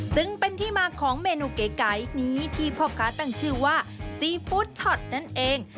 จึงเป็นที่มาของเมนูเก๋นี้ที่พ่อค้าตั้งชื่อว่าซีฟู้ดช็อตนั่นเอง